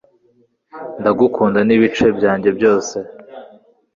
ndagukunda n'ibice byanjye byose